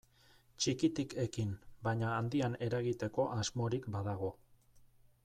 Txikitik ekin baina handian eragiteko asmorik badago.